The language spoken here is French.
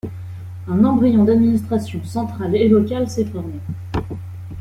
Un embryon d’administration centrale et locale s’est formé.